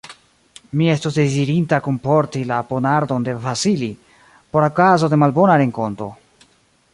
Mi estus dezirinta kunporti la ponardon de Vasili, por okazo de malbona renkonto.